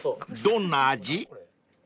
［どんな味？］